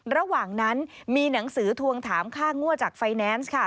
ระหว่างนั้นมีหนังสือทวงถามค่างั่วจากไฟแนนซ์ค่ะ